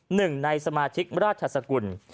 หนึ่งในสมาชิกราชสกุล